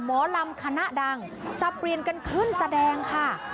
หมอลำคณะดังสับเปลี่ยนกันขึ้นแสดงค่ะ